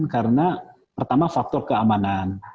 karena pertama faktor keamanan